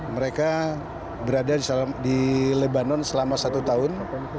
mereka berada di lebanon selama satu tahun